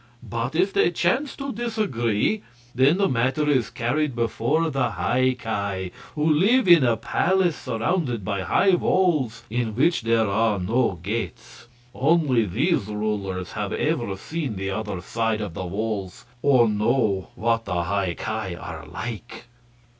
But if they chance to disagree, then the matter is carried before the High Ki, who live in a palace surrounded by high walls, in which there are no gates. Only these rulers have ever seen the other side of the walls, or know what the High Ki are like."